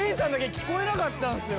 聞こえなかったんすよ。